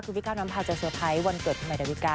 คือพี่ก้าวน้ำพาจะเซอร์ไพรส์วันเกิดคุณใหม่ดาวิกา